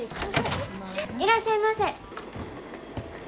いらっしゃいませ。